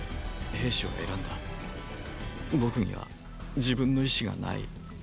僕には自分の意志がない。